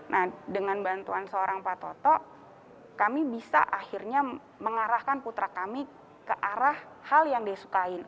nah dengan bantuan seorang pak toto kami bisa akhirnya mengarahkan putra kami ke arah hal yang dia sukain